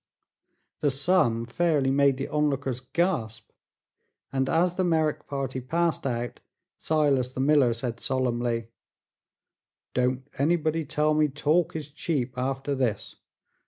The sum fairly made the onlookers gasp, and as the Merrick party passed out, Silas, the miller, said solemnly: "Don't anybody tell me talk is cheap, arter this.